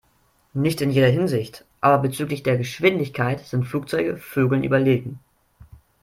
Nicht in jeder Hinsicht, aber bezüglich der Geschwindigkeit sind Flugzeuge Vögeln überlegen.